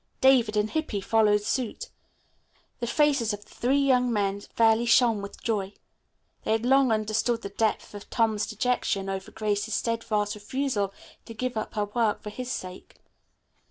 David and Hippy followed suit. The faces of the three young men fairly shone with joy. They had long understood the depth of Tom's dejection over Grace's steadfast refusal to give up her work for his sake.